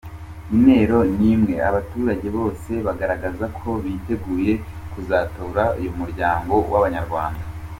Intero ni imwe, abaturage bose bagaragaza ko biteguye kuzatora uyu “muryango w’Abanyarwanda.’